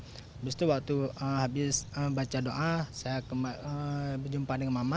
habis itu waktu habis baca doa saya berjumpa dengan mama